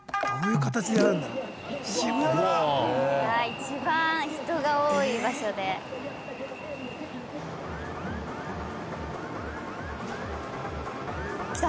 一番人が多い場所で。来た。